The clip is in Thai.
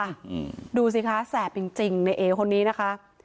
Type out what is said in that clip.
อืมดูสิคะแสบจริงจริงในเอคนนี้นะคะ